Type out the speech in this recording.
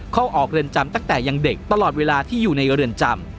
เข้าออกเรือนจำตั้งแต่ยังเด็กตลอดเวลาที่อยู่ในเรือนจำ